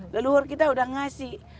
leluhur kita udah ngasih